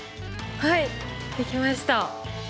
はいできました。